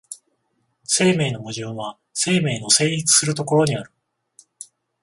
生命の矛盾は生命の成立する所にある。